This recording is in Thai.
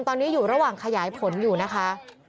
ตอนนี้อยู่ระหว่างขยายผลอยู่นะคะ